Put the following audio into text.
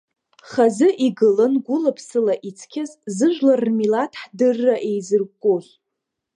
Хазы игылан гәыла-ԥсыла ицқьаз, зыжәлар рмилаҭ хдырра еиззыркәкәоз.